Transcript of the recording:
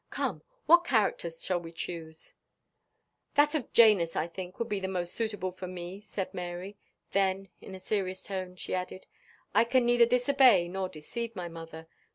Come, what characters shall we choose?" "That of Janus, I think, would be the most suitable for me," said Mary. Then, in a serious tone, she added, "I can neither disobey nor deceive my mother.